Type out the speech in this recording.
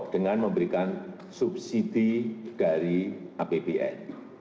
dengan memberikan subsidi dari apbn